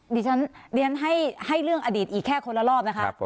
ทีชั้นดีล้านให้เรื่องอดีตอีกแค่คนละรอบครับ